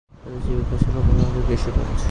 তাদের জীবিকা ছিল প্রধানত কৃষিকাজ।